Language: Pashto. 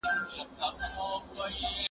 زه مخکي درسونه اورېدلي وو!؟